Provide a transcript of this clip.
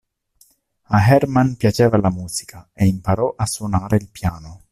A Hermann piaceva la musica e imparò a suonare il piano.